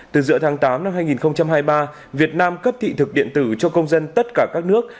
từ giữa tháng tám năm hai nghìn hai mươi ba việt nam cấp thị thực điện tử cho công dân tất cả các nước